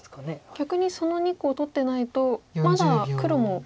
逆にその２個を取ってないとまだ黒も。